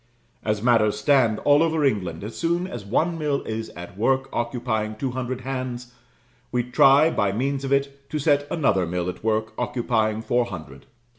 As matters stand, all over England, as soon as one mill is at work, occupying two hundred hands, we try, by means of it, to set another mill at work, occupying four hundred.